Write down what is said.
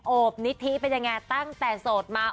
โอบนิธิเป็นยังไงตั้งแต่โสดมา